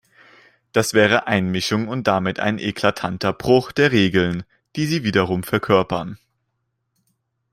Das wäre Einmischung und damit ein eklatanter Bruch der Regeln, die sie wiederum verkörpern.